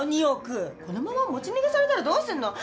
このまま持ち逃げされたらどうするの？